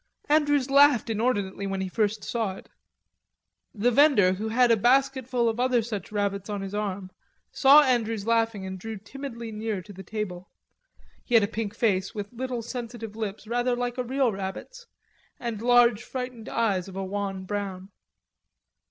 Andrews laughed inordinately when he first saw it. The vendor, who had a basket full of other such rabbits on his arm, saw Andrews laughing and drew timidly near to the table; he had a pink face with little, sensitive lips rather like a real rabbit's, and large frightened eyes of a wan brown.